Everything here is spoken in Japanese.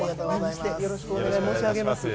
よろしくお願い申し上げます。